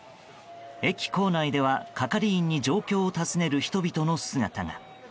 駅構内では係員に状況を尋ねる人々の姿が。